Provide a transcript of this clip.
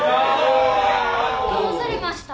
・どうされました？